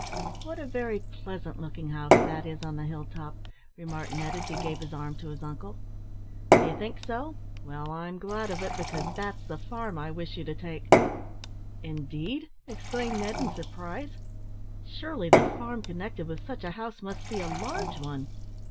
"What a very pleasant looking house that is on the hill top!" remarked Ned, as he gave his arm to his uncle. "D'you think so? Well, I'm glad of it, because that's the farm I wish you to take." "Indeed!" exclaimed Ned, in surprise. "Surely the farm connected with such a house must be a large one?"